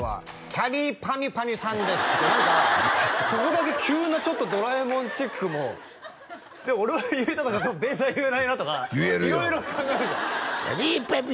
「きゃりーぱみゅぱみゅさんです」って何かそこだけ急なちょっとドラえもんチックもで俺は言えても多分べーさん言えないなとか言えるよ色々考えましたきゃりーぱみ